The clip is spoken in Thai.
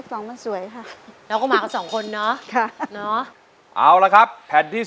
สู้สู้สู้สู้สู้สู้สู้สู้สู้สู้สู้สู้สู้สู้